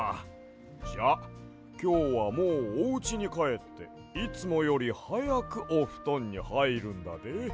じゃあきょうはもうおうちにかえっていつもよりはやくおふとんにはいるんだで。